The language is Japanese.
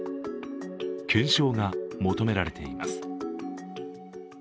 検証が求められています。